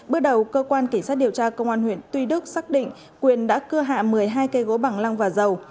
bước đầu cơ quan cảnh sát điều tra công an huyện tuy đức xác định quyền đã cưa hạ một mươi hai cây gỗ bằng lăng và dầu